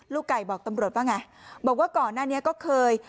ไก่บอกตำรวจว่าไงบอกว่าก่อนหน้านี้ก็เคย